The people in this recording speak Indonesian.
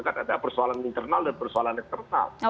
katanya persoalan internal dan persoalan eksternal